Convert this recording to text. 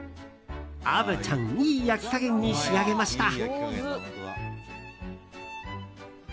虻ちゃんいい焼き加減に仕上げました。